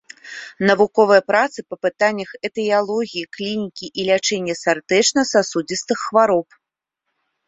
Навуковыя працы па пытаннях этыялогіі, клінікі і лячэння сардэчна-сасудзістых хвароб.